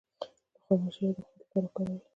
د خرما شیره د قوت لپاره وکاروئ